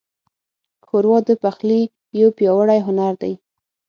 ښوروا د پخلي یو پیاوړی هنر دی.